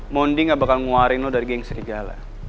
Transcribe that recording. mondi gak bakal nguarin lo dari geng serigala